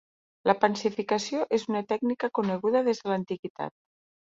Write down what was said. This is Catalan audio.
La pansificació és una tècnica coneguda des de l'Antiguitat.